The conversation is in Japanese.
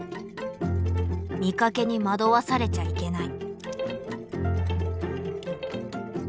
見かけに惑わされちゃいけない。